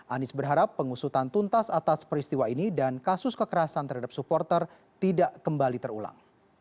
anies berharap pengusutan tuntas atas peristiwa ini dan kasus kekerasan terhadap supporter tidak kembali terulang